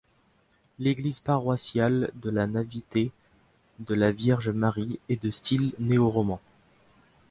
L'église paroissiale de la Nativité-de-la-Vierge-Marie est de style néo-roman.